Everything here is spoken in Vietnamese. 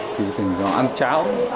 thì thành ra ăn cháo